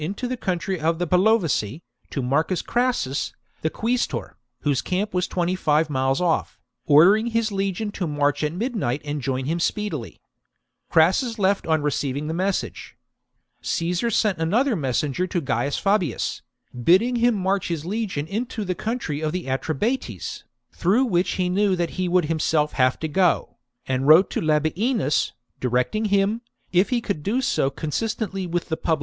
i"to the country of the Bellovaci, to Marcus Crassus, the quaestor, whose camp was twenty five miles off, ordering his legion to march at midnight and join him speedily. Crassus left on receiving the message. Caesar sent another messenger to Gaius Fabius, bidding him march his legion into the country of the Atrebates, through which he knew that he would himself have to go, and wrote to Labienus, directing him, if he could do so consistently with the public interest, to move with his legion to the country of the Nervii.